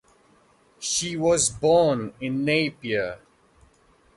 She was born in Napier.